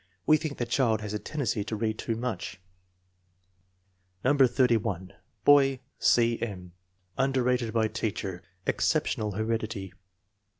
We think the child has a tendency to read too much." No. 81. Boy: C. M. Underrated by teacher. Ex ceptional heredity.